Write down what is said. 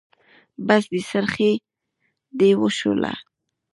بس دی؛ څرخی دې وشوله.